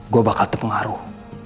gue bakal terpengaruh